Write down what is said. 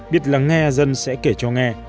biết lắng nghe dân sẽ kể cho nghe